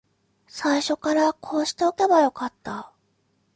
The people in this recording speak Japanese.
最初からこうしておけばよかった